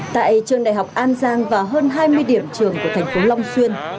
tại trường đại học an giang và hơn hai mươi điểm trường của thành phố long xuyên